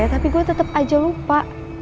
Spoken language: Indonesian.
tapi gue tetap aja lupa